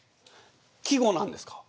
季語なんですか？